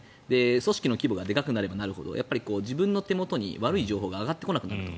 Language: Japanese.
組織の規模がでかくなればなるほど自分の手元に悪い情報が上がってこなくなると。